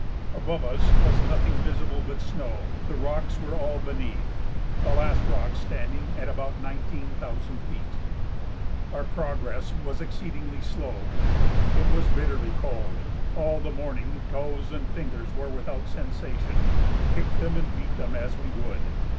Above us was nothing visible but snow; the rocks were all beneath, the last rocks standing at about 19,000 feet. Our progress was exceedingly slow. It was bitterly cold; all the morning toes and fingers were without sensation, kick them and beat them as we would.